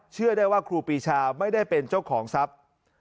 เชื่อได้ว่าครูปีชาไม่ได้เป็นเจ้าของทรัพย์